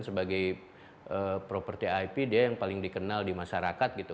sebagai properti ip dia yang paling dikenal di masyarakat gitu